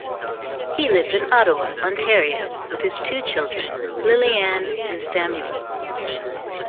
He lives in Ottawa, Ontario with his two children, Lilianne and Samuel.